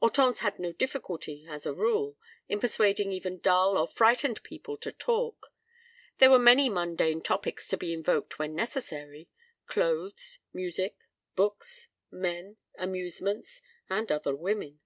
Hortense had no difficulty, as a rule, in persuading even dull or frightened people to talk. There were the many mundane topics to be invoked when necessary: clothes, music, books, men, amusements—and other women.